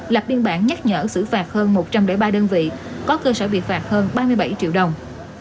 lập biên bản nhắc nhở xử phạt hơn một trăm linh ba đơn vị có cơ sở bị phạt hơn ba mươi bảy triệu đồng